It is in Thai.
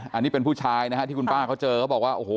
อันนี้เป็นผู้ชายนะฮะที่คุณป้าเขาเจอเขาบอกว่าโอ้โห